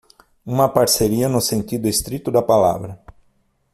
Uma parceria no sentido estrito da palavra.